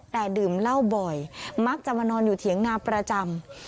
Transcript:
แต่ดื่มเหล้าบ่อยมักจะมานอนอยู่เถียงนาประจำ